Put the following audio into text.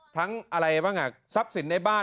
ทั้งอะไรเป็นอ่ะทรัพย์สินในบ้าน